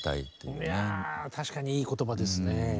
いやぁ確かにいい言葉ですね。